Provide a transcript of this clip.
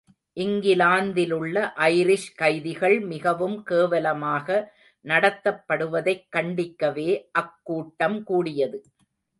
இங்கிலாந்திலுள்ள Irish கைதிகள் மிகவும் கேவலமாக நடத்தப்படுவதைக் கண்டிக்கவே அக் கூட்டம் கூடியது.